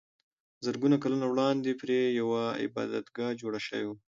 زرګونه کلونه وړاندې پرې یوه عبادتګاه جوړه شوې وه.